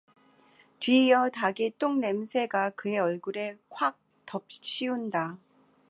뒤이어 닭의 똥 냄새가 그의 얼굴에 칵 덮 씌운다.